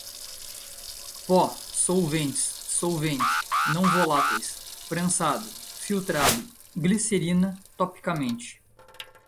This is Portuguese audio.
pó, solventes, solvente, não voláteis, prensado, filtrado, glicerina, topicamente